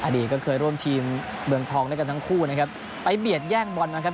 ก็เคยร่วมทีมเมืองทองด้วยกันทั้งคู่นะครับไปเบียดแย่งบอลนะครับ